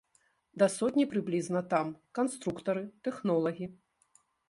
Да сотні прыблізна там, канструктары, тэхнолагі.